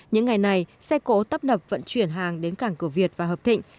những ngày này xe cổ tấp nập vận chuyển hàng đến cảng cửa việt và hợp thịnh